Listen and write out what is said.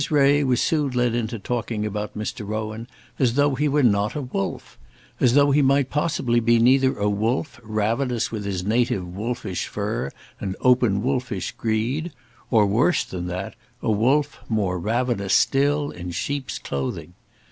Ray was soon led into talking about Mr. Rowan as though he were not a wolf, as though he might possibly be neither a wolf ravenous with his native wolfish fur and open wolfish greed; or, worse than that, a wolf, more ravenous still, in sheep's clothing.